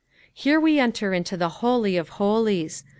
Here we enter into the Holj of Hutics.